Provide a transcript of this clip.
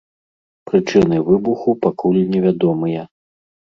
Прычыны выбуху пакуль невядомыя.